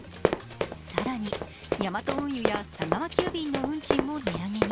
更に、ヤマト運輸や佐川急便の運賃も値上げに。